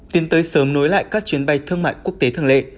tiến tới sớm nối lại các chuyến bay thương mại quốc tế thường lệ